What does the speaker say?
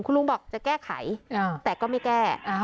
คุณลุงบอกจะแก้ไขแต่ก็ไม่แก้